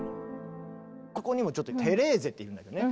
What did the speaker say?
ここにもちょっと「テレーゼ」っているんだよね。